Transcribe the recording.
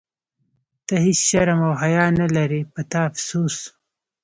ته هیڅ شرم او حیا نه لرې، په تا افسوس.